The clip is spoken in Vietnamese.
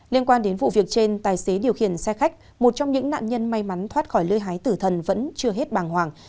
liên quan đến vụ việc trên tài xế điều khiển xe khách một trong những nạn nhân may mắn thoát khỏi lươi hái tử thần vẫn chưa hết bàng hoàng